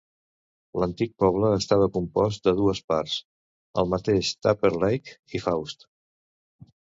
L'antic poble estava compost de dues parts, el mateix Tupper Lake i Faust.